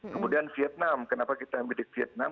kemudian vietnam kenapa kita milik vietnam